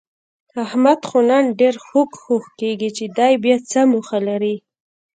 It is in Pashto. احمد خو نن ډېر خوږ خوږ کېږي، چې دی بیاڅه موخه لري؟